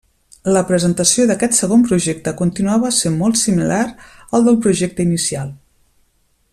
La presentació d'aquest segon projecte continuava sent molt similar al del projecte inicial.